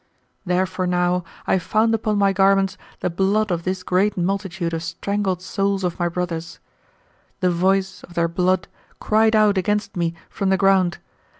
Therefore now I found upon my garments the blood of this great multitude of strangled souls of my brothers. The voice of their blood cried out against me from the ground.